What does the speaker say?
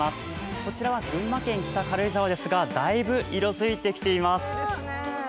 こちらは群馬県北軽井沢ですがだいぶ色づいてきています。